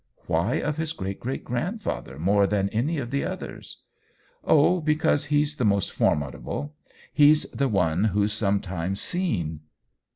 " Why of his great great grandfather more than of any of the others ?" "Oh, because he*s the most formidable. He's the one who's sometimes seen."